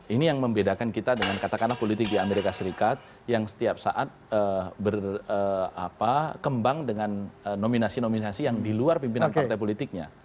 ini yang membedakan kita dengan katakanlah politik di amerika serikat yang setiap saat berkembang dengan nominasi nominasi yang di luar pimpinan partai politiknya